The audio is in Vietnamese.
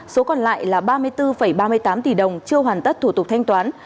số còn lại là ba mươi bốn ba mươi tám tỷ đồng chưa hoàn tất thủ tục thanh toán